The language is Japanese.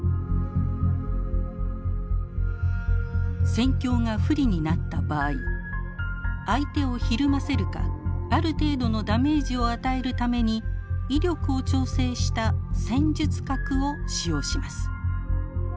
戦況が不利になった場合相手をひるませるかある程度のダメージを与えるために威力を調整した戦術核を使用します。